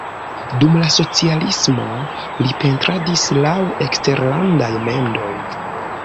Dum la socialismo li pentradis laŭ eksterlandaj mendoj.